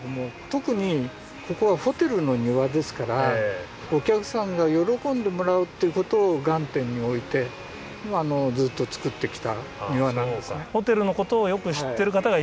特にここはホテルの庭ですからお客さんが喜んでもらうっていうことを眼点に置いてずっと造ってきた庭なんですね。